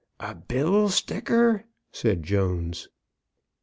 a bill sticker!" said Jones.